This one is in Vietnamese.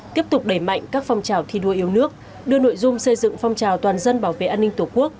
tiếp tục đẩy mạnh các phong trào thi đua yêu nước đưa nội dung xây dựng phong trào toàn dân bảo vệ an ninh tổ quốc